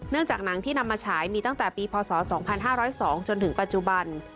จากหนังที่นำมาฉายมีตั้งแต่ปีพศ๒๕๐๒จนถึงปัจจุบัน